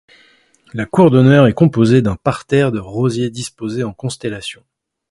La cour d’honneur est composée d’un parterre de rosiers disposés en constellations.